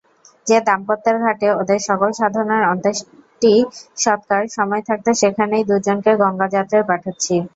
যে দাম্পত্যের ঘাটে ওদের সকল সাধনার অন্ত্যেষ্টিসৎকার, সময় থাকতে সেখানেই দুজনকে গঙ্গাযাত্রায় পাঠাচ্ছি।